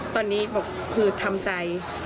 ตอนนี้บอกคือทำใจ